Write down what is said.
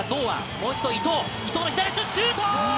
もう一度伊藤、伊藤の左足のシュート！